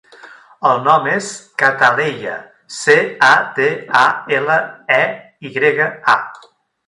El nom és Cataleya: ce, a, te, a, ela, e, i grega, a.